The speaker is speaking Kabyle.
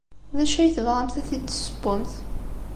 D acu ay tebɣamt ad t-id-tessewwemt?